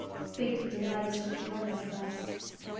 Fate delights to thwart us thus.